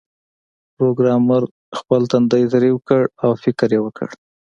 پروګرامر خپل تندی ترېو کړ او فکر یې وکړ